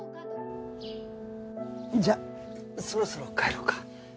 じゃあそろそろ帰ろうか。